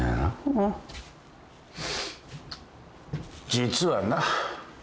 実はな